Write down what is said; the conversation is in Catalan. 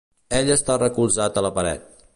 Ell està recolzat a la paret.